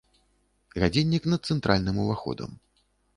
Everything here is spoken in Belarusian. Гадзіннік над цэнтральным уваходам.